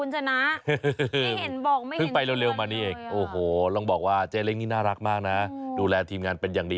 จากก็ใกล้นี้เอง